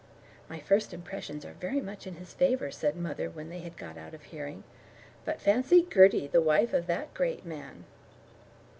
"My first impressions are very much in his favour," said mother, when they had got out of hearing. "But fancy Gertie the wife of that great man!"